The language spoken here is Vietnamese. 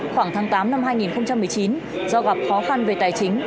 khoảng tháng tám năm hai nghìn một mươi chín do gặp khó khăn về tài chính